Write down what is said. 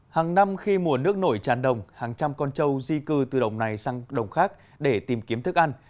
hàng năm khi mùa nước nổi tràn đồng hàng trăm con trâu di cư từ đồng này sang đồng khác để tìm kiếm thức ăn